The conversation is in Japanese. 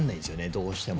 どうしても。